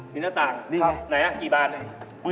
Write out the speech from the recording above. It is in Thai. มีหน้าต่างที่ไหนมีหน้าต่าง